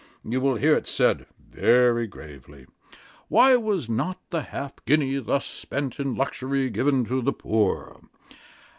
You will hear it said, very gravely, Why was not the half guinea, thus spent in luxury, given to the poor?